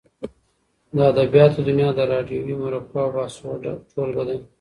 د ادبیاتو دونیا د راډیووي مرکو او بحثو ټولګه ده.